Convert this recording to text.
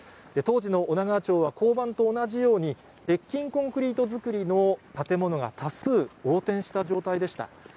当時の女川町は交番と同じように、鉄筋コンクリート造りの建物が多数横転した状態でした。